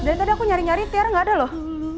dari tadi aku nyari nyari tiara gak ada loh